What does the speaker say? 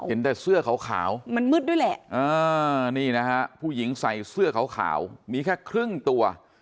เห็นแต่เสื้อขาวมันมืดด้วยแหละนี่นะฮะผู้หญิงใส่เสื้อขาวมีแค่ครึ่งตัว